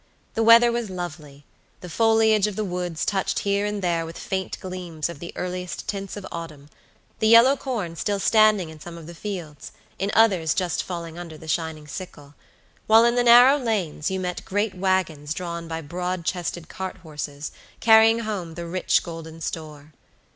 The weather was lovely; the foliage of the woods touched here and there with faint gleams of the earliest tints of autumn; the yellow corn still standing in some of the fields, in others just falling under the shining sickle; while in the narrow lanes you met great wagons drawn by broad chested cart horses, carrying home the rich golden store.